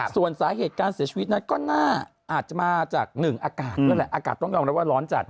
ส่วนสาเหตุการเสียชีวิตนั้นก็น่าจะมาจากหนึ่งอากาศนั่นแหละอากาศต้องยอมรับว่าร้อนจัด